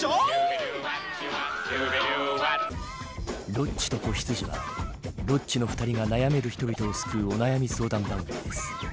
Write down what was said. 「ロッチと子羊」はロッチの２人が悩める人々を救うお悩み相談番組です。